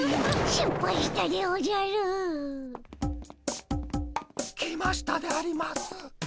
しっぱいしたでおじゃる！来ましたであります。